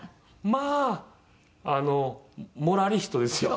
まあモラリストですよ。